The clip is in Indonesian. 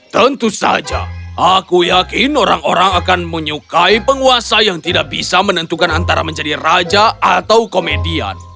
tentu saja aku yakin orang orang akan menyukai penguasa yang tidak bisa menentukan antara menjadi raja atau komedian